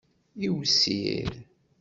Iwsir.